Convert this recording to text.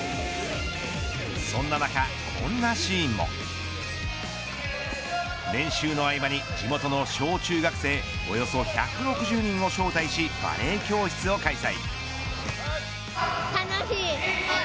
そんな中、こんなシーンも。練習の合間に地元の小中学生およそ１６０人を招待しバレー教室を開催。